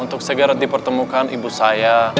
untuk segera dipertemukan ibu saya